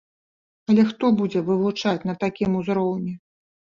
Але хто будзе вывучаць на такім узроўні?